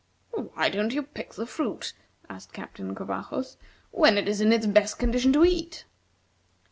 "Why don't you pick the fruit," asked Captain Covajos, "when it is in its best condition to eat?"